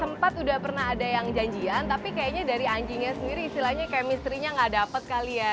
sempat udah pernah ada yang janjian tapi kayaknya dari anjingnya sendiri istilahnya chemistry nya nggak dapat kali ya